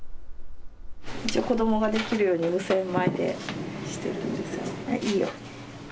一応、子どもができるように、無洗米でしてるんです。